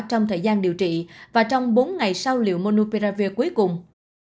trong thời gian điều trị và trong bốn ngày sau liệu monupravir cuối cùng